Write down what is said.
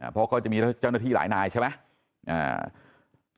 เพราะก็จะมีเจ้าหน้าที่หลายนายใช่ไหม